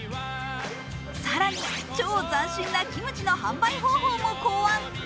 更に超斬新なキムチの販売方法も考案。